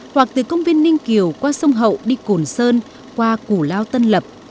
hoặc từ công viên ninh kiều qua sông hậu đi cồn sơn qua củ lao tân lập